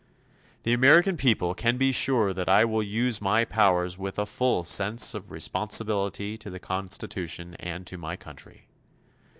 The American people can be sure that I will use my powers with a full sense of responsibility to the Constitution and to my country.